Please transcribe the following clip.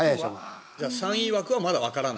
じゃあ３位枠はまだわからない。